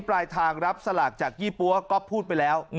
ปลายทางรับสลากจากยี่ปั๊วก็พูดไปแล้ว